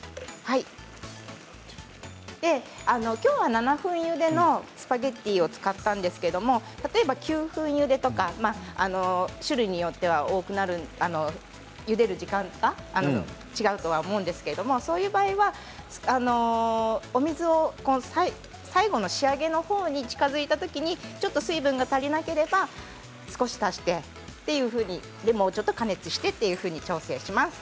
きょうは７分ゆでのスパゲッティを使ったんですけれど例えば９分ゆでとか種類によってはゆでる時間が違うと思うんですがそういう場合はお水を、最後の仕上げのほうに近づいたときにちょっと水分が足りなければ少し足してというふうにそれでもうちょっと加熱してと調整します。